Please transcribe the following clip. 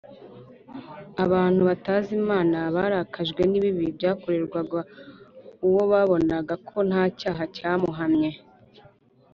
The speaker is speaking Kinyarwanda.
abantu batazi imana barakajwe n’ibibi byakorerwaga uwo babonaga ko nta cyaha cyamuhamye